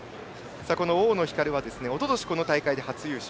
大野ひかるは、おととしこの大会で初優勝。